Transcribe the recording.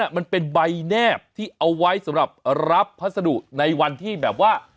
มันเป็นใบแนบที่เอาไว้สำหรับรับพัสดุในวันที่แบบว่า